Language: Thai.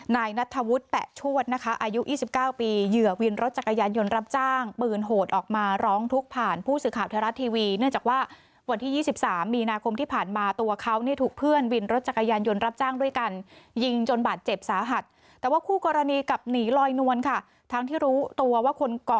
นายนัทธวุฒิแปะชวดนะคะอายุ๒๙ปีเหยื่อวินรถจักรยานยนต์รับจ้างปืนโหดออกมาร้องทุกข์ผ่านผู้สื่อข่าวไทยรัฐทีวีเนื่องจากว่าวันที่๒๓มีนาคมที่ผ่านมาตัวเขาเนี่ยถูกเพื่อนวินรถจักรยานยนต์รับจ้างด้วยกันยิงจนบาดเจ็บสาหัสแต่ว่าคู่กรณีกลับหนีลอยนวลค่ะทั้งที่รู้ตัวว่าคนก่อ